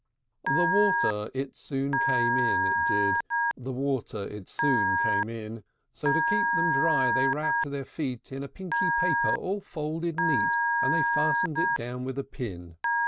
III. The water it soon came in, it did; The water it soon came in: So, to keep them dry, they wrapped their feet In a pinky paper all folded neat; And they fastened it down with a pin.